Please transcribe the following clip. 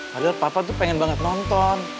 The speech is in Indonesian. padahal papa tuh pengen banget nonton